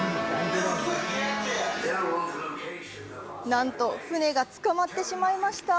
なんと、船が捕まってしまいました。